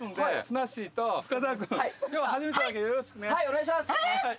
お願いします！